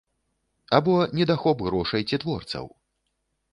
Або недахоп грошай ці творцаў?